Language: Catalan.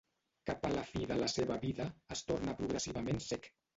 Cap a la fi de la seva vida, es torna progressivament cec.